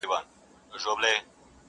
تورو سترګو ته دي وایه چي زخمي په زړګي یمه،